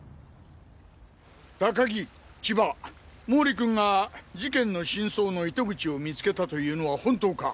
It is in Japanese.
高木千葉毛利君が事件の真相の糸口を見つけたというのは本当か！？